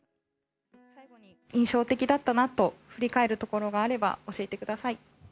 印象的だったなと振り返るところがあれば、教えてください。